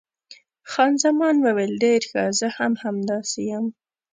خان زمان وویل، ډېر ښه، زه هم همداسې یم.